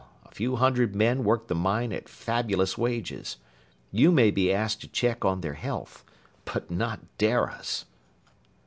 A few hundred men work the mine at fabulous wages. You may be asked to check on their health. But not Dara's!"